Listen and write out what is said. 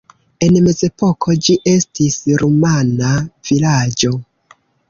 En mezepoko ĝi estis rumana vilaĝo.